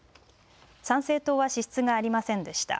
参政党は支出がありませんでした。